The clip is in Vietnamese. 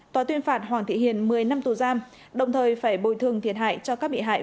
tòa tuyên phạt hoàng thị hiền một mươi năm tù giam đồng thời phải bồi thường thiệt hại cho các bị hại